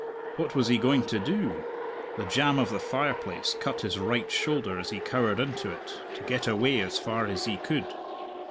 What was he going to do? The jamb of the fireplace cut his right shoulder as he cowered into it, to get away as far as he could.